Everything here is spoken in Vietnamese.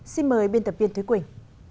xin mời biên tập viên thúy quỳnh